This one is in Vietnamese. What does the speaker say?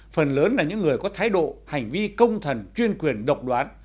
phần lớn là những người có thái độ hành vi công thần chuyên quyền độc đoán